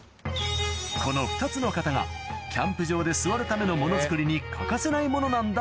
この２つの型がキャンプ場で座るためのもの作りに欠かせないものなんだ